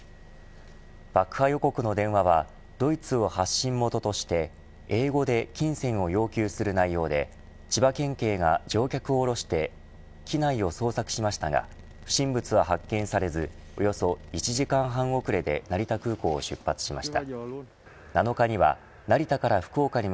爆破予告の電話はドイツを発信元として英語で金銭を要求する内容で千葉県警が乗客を降ろして機内を捜索しましたが不審物は発見されずおよそ１時間半遅れで成田空港を出発しました。